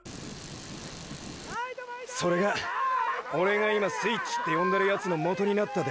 それがオレが今“スイッチ”って呼んでるやつの元になった出来事だ。